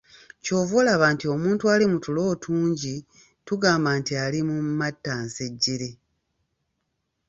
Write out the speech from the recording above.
Ky'ova olaba nti omuntu ali mu tulo otungi tugamba nti ali mu "matta nsejjere"